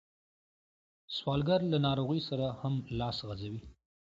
سوالګر له ناروغۍ سره هم لاس غځوي